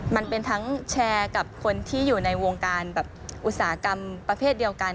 มันเป็นทั้งแชร์กับคนที่อยู่ในวงการแบบอุตสาหกรรมประเภทเดียวกัน